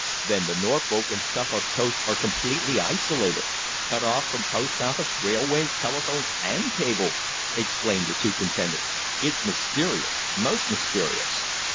"Then the Norfolk and Suffolk coasts are completely isolated cut off from post office, railways, telephones, and cables!" exclaimed the superintendent. "It's mysterious most mysterious!"